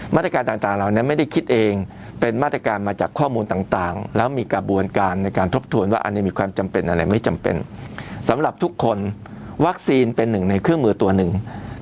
มาตรการต่าง